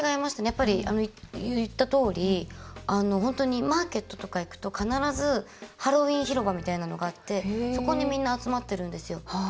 やっぱり言ったとおりマーケットとか行くと必ず、ハロウィーン広場みたいなのがあってそこにみんな集まってるんですよ。